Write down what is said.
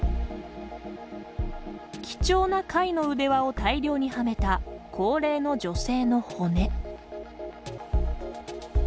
貴重な貝の腕輪を大量にはめた高齢の女性の骨。